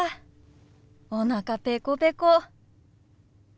おなかペコペコ。